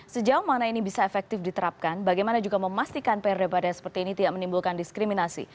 sejauh mana ini bisa efektif diterapkan bagaimana juga memastikan perda perda seperti ini tidak menimbulkan diskriminasi